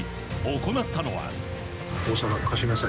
行ったのは。